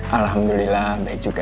alhamdulillah baik juga